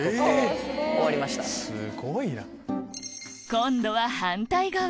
今度は反対側